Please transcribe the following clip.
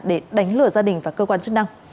để đánh lừa gia đình và cơ quan chức năng